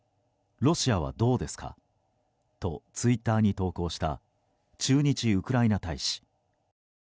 ロシアはどうですか？とツイッターに投稿した駐日ウクライナ大使。